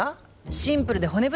シンプルで骨太？